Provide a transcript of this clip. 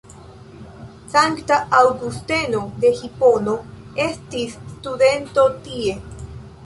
Sankta Aŭgusteno de Hipono estis studento tie.